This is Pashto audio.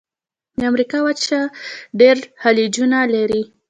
د امریکا وچه ډېر خلیجونه لري.